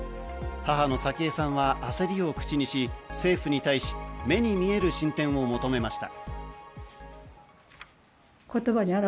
母の早紀江さんは焦りを口にし、政府に対し目に見える進展を求めました。